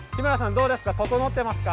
どうですか？